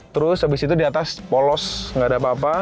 terus abis itu diatas polos gak ada apa apa